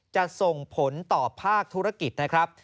จะส่งผลต่อภาคธุรกิจนะครับ